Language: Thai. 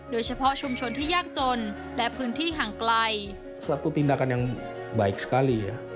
โดยเฉพาะชุมชนที่ยากจนและพื้นที่ห่างไกล